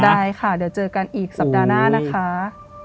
ได้ค่ะเดี๋ยวเจอกันอีกสัปดาห์หน้านะคะ